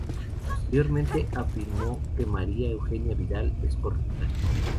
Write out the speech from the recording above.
Posteriormente afirmó que María Eugenia Vidal "es corrupta.